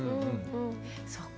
そっか。